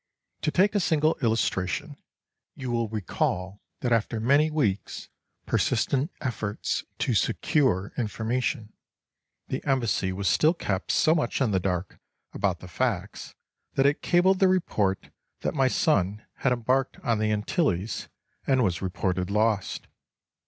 To take a single illustration, you will recall that after many weeks' persistent effort to secure information, the Embassy was still kept so much in the dark about the facts, that it cabled the report that my son had embarked on The Antilles and was reported lost.